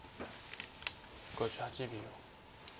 ５８秒。